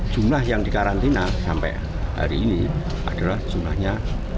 jumlah yang dikarantina sampai hari ini adalah jumlahnya